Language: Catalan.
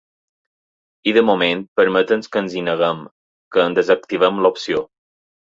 I de moment permeten que ens hi neguem, que en desactivem l’opció.